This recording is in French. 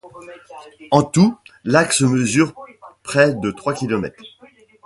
En tout, l'axe mesure près de trois kilomètres.